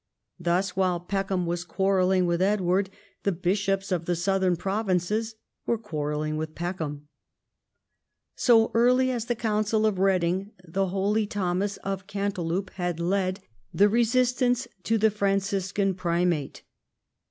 Thus, while Peckham was quarrelling with Edward, the bishops of the southern province were quarrelling with Peckham. So early as the Council of Reading the holy Thomas of Cantilupe had led the resistance to the Franciscan primate.